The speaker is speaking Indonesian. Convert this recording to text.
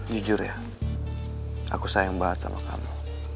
jujur ya aku sayang banget sama kamu